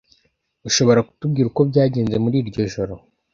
Ushobora kutubwira uko byagenze muri iryo joro?